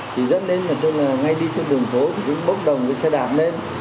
thì rất nên là tôi là ngay đi trên đường phố tôi cũng bốc đồng cái xe đạp lên